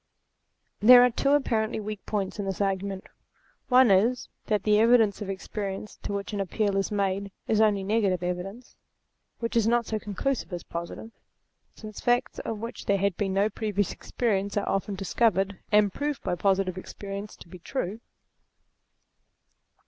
There are two apparently weak points in this argument. One is, that the evidence of experience to which its appeal is made is only negative evidence, which is not so conclusive as positive ; since facts of which there had been no previous experience are often REVELATION 221 discovered, and proved by positive experience to be true.